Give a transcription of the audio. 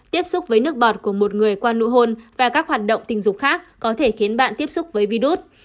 tiếp xúc với nước bọt của một người qua nụ hôn và các hoạt động tình dục khác có thể khiến bạn tiếp xúc với virus